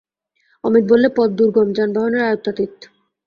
অমিত বললে, পথ দুর্গম, যানবাহনের আয়ত্তাতীত।